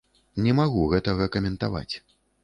Не магу гэтага каментаваць.